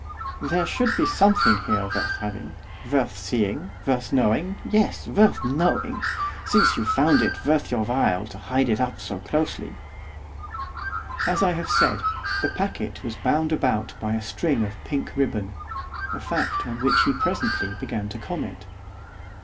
There should be something here worth having, worth seeing, worth knowing, yes, worth knowing! since you found it worth your while to hide it up so closely.' As I have said, the packet was bound about by a string of pink ribbon, a fact on which he presently began to comment.